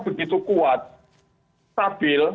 begitu kuat stabil